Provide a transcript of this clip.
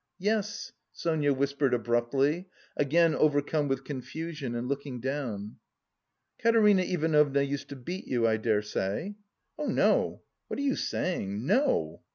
"Yes," Sonia whispered abruptly, again overcome with confusion and looking down. "Katerina Ivanovna used to beat you, I dare say?" "Oh no, what are you saying? No!"